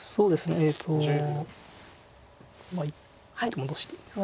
戻していいですか。